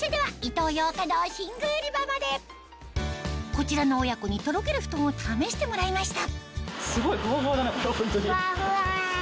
こちらの親子にとろけるふとんを試してもらいました